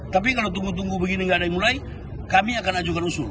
tapi kalau tunggu tunggu begini nggak ada yang mulai kami akan ajukan usul